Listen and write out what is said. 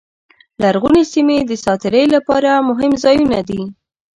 لرغونې سیمې د ساعت تېرۍ لپاره مهم ځایونه دي.